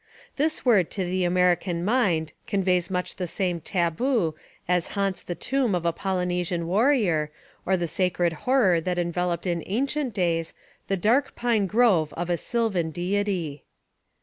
This word to the American mind conveys much the same "taboo" as haunts the tomb of a Polynesian warrior, or the sacred horror that enveloped in ancient days the dark pine grove of a Sylvan deity.